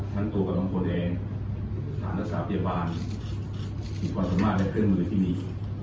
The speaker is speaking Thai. ทั้งตัวกับน้องโพแดงฐานรักษาพยาบาลมีความสามารถและเครื่องมือที่ดี